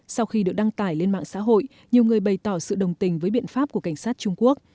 sau khi được đăng tải lên mạng xã hội nhiều người bày tỏ sự đồng tình với biện pháp của cảnh sát trung quốc